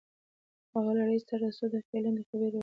هغه له رئيس سره څو دقيقې لنډې خبرې وکړې.